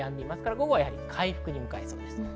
午後は回復に向かいそうです。